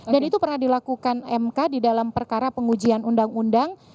itu pernah dilakukan mk di dalam perkara pengujian undang undang